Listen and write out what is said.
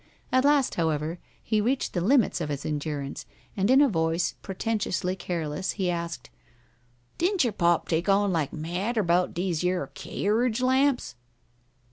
At last, however, he reached the limits of his endurance, and in a voice pretentiously careless he asked, "Didn' yer pop take on like mad er bout dese yer cay'ge lamps?"